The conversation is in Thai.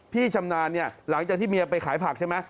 พี่ชำนานหลังจากที่เมียไปขายผักใช่ไหม